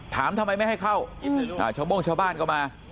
ทำไมไม่ให้เข้าชาวโม่งชาวบ้านก็มา